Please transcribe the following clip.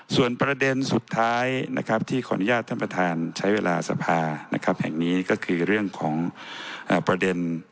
ส่วนประเด็นสุดท้ายนะครับที่ขออนุญาตท่านประธานใช้เวลาสภาแห่งนี้ก็คือเรื่องของประเด็น